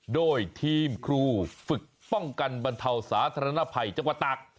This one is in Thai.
โดยทีมครูฝึกป้องกันบรรเทาสาธารณภัยจังหวัดตาก